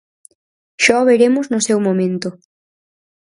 Xa o veremos no seu momento.